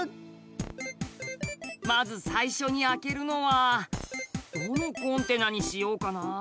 まず最初に開けるのはどのコンテナにしようかな。